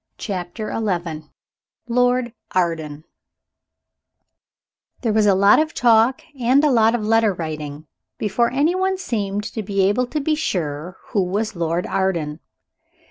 CHAPTER XI LORD ARDEN THERE was a lot of talk and a lot of letter writing before any one seemed to be able to be sure who was Lord Arden.